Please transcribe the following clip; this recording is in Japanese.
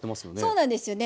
そうなんですよね。